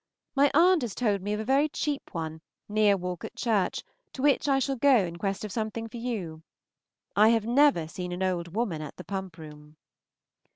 My aunt has told me of a very cheap one, near Walcot Church, to which I shall go in quest of something for you. I have never seen an old woman at the pump room.